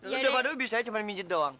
yaudah padahal bisa aja cuma minjet doang